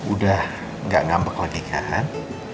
udah nggak ngambek lagi kan